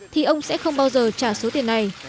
thì ông sẽ không bao giờ trả số tiền này